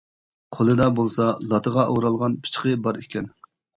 قولىدا بولسا لاتىغا ئورالغان پىچىقى بار ئىكەن.